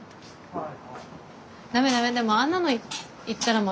はい。